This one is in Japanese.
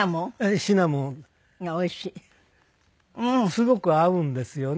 すごく合うんですよね